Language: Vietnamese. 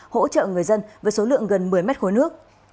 hỗ trợ người dân với số lượng gần một mươi mét khối nước